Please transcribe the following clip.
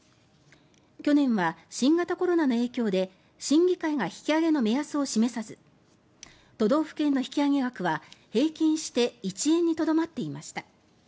去年は新型コロナの影響で審議会が引き上げの目安を示さず都道府県の引き上げ額は平均して１円にとどまっていました。